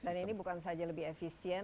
ini bukan saja lebih efisien